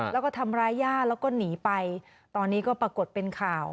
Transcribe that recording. แล้วก็ทำร้ายย่าแล้วก็หนีไปตอนนี้ก็ปรากฏเป็นข่าว